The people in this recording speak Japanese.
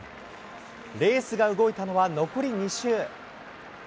レースが動いたのは残り２周。